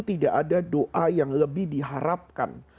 tidak ada doa yang lebih diharapkan